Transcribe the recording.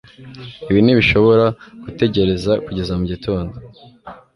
Ibi ntibishobora gutegereza kugeza mugitondo